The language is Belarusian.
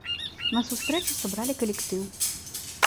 На сустрэчу сабралі калектыў.